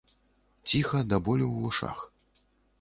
Ціха да болю ў вушах.